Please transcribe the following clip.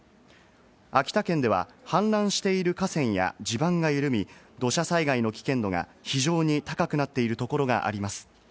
秋田県では氾濫している河川や地盤が緩み、土砂災害の危険度が非常に高くなっているところがあります。